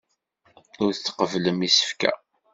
Ur tqebblem isefka.